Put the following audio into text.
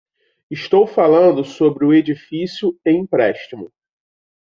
Eu estou falando sobre o edifício e empréstimo.